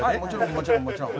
もちろんもちろん。